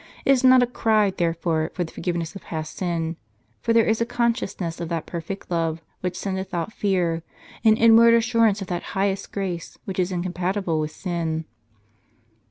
It is not a cry, therefore, for the forgiveness of past sin; for there is a consciousness of that perfect love, which sendeth out fear, an inward assurance of that highest grace, which is incompatible with sin.